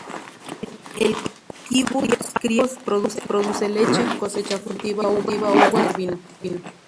El kibutz cría pavos, produce leche, cosecha frutas, y cultiva uvas para hacer vino.